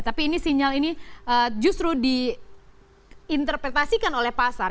tapi ini sinyal ini justru di interpretasikan oleh pasar